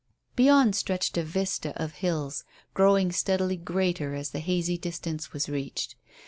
Beyond stretched a vista of hills, growing steadily greater as the hazy distance was reached.